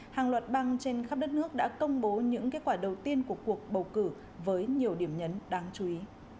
hàng loạt bang trên khắp đất nước đã công bố những kết quả đầu tiên của cuộc bầu cử với nhiều điểm nhấn đáng chú ý